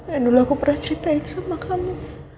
yang dulu aku pernah ceritain sama kamu